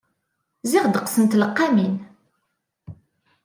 Ẓẓiɣ ddeqs n tleqqamin.